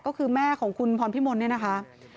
ก็คือแม่ของคุณพรพิมลเนี่ยนะคะ